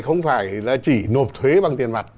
không phải là chỉ nộp thuế bằng tiền mặt